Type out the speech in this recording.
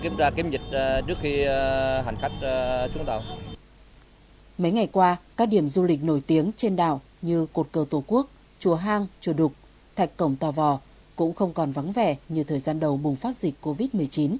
mấy ngày qua các điểm du lịch nổi tiếng trên đảo như cột cờ tổ quốc chùa hang chùa đục thạch cổng tò vò cũng không còn vắng vẻ như thời gian đầu bùng phát dịch covid một mươi chín